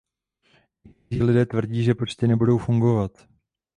Někteří lidé tvrdí, že počty nebudou fungovat.